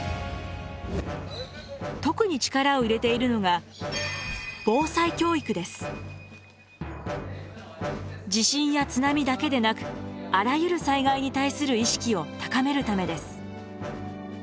特に力を入れているのが地震や津波だけでなくあらゆる災害に対する意識を高めるためです。